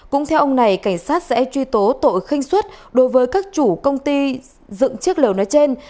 cũng theo ông này cảnh sát sẽ truy tố tội khinh xuất đối với các chủ công ty dựng chiếc lầu nói trên